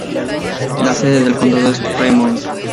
La sede del condado es Fremont.